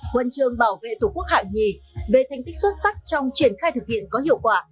huân trường bảo vệ thủ quốc hạng nhì về thành tích xuất sắc trong triển khai thực hiện có hiệu quả